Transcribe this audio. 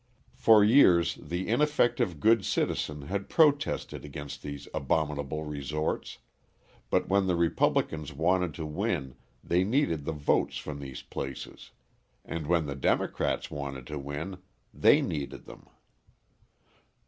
For years, the ineffective good citizen had protested against these abominable resorts, but when the Republicans wanted to win they needed the votes from these places, and when the Democrats wanted to win they needed them.